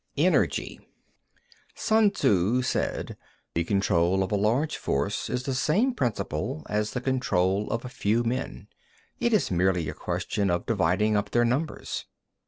ENERGY 1. Sun Tzŭ said: The control of a large force is the same principle as the control of a few men: it is merely a question of dividing up their numbers.